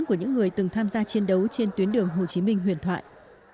của những người từng tham gia chiến đấu trên tuyến đường hồ chí minh huyền thoại